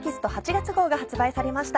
月号が発売されました。